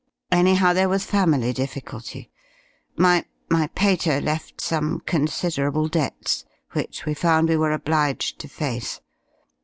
Anyhow, there was family difficulty. My my pater left some considerable debts which we found we were obliged to face.